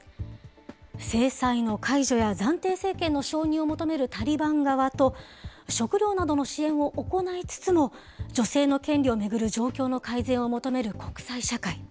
制裁の解除や暫定政権の承認を求めるタリバン側と、食料などの支援を行いつつも、女性の権利を巡る状況の改善を求める国際社会。